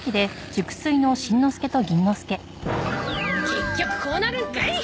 結局こうなるんかい！